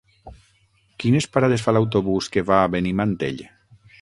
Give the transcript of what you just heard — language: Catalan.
Quines parades fa l'autobús que va a Benimantell?